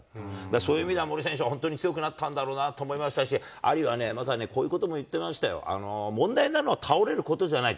そういう意味では、森選手は本当に強くなったんだろうなと思いましたし、アリはね、またこういうことも言ってましたよ、問題なのは、倒れることじゃない。